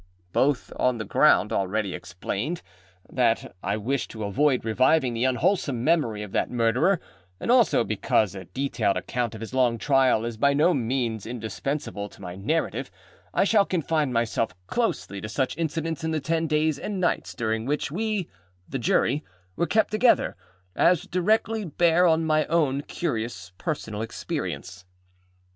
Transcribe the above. Both on the ground already explained, that I wish to avoid reviving the unwholesome memory of that Murderer, and also because a detailed account of his long trial is by no means indispensable to my narrative, I shall confine myself closely to such incidents in the ten days and nights during which we, the Jury, were kept together, as directly bear on my own curious personal experience.